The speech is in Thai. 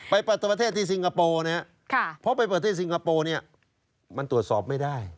ไปประเทศที่สิงคโปร์เนี่ยะพอไปเปิดที่สิงคโปร์เนี่ยะมันตรวจสอบไม่ได้